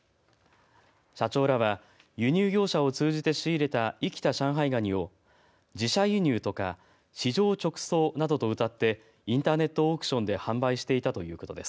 社長らは輸入業者を通じて仕入れた生きた上海ガニを自社輸入とか市場直送などとうたってインターネットオークションで販売していたということです。